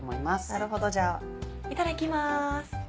なるほどじゃあいただきます！